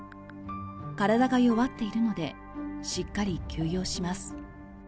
体が弱っているのでしっかり休養します。